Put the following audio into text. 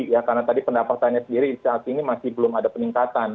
karena tadi pendapatannya sendiri saat ini masih belum ada peningkatan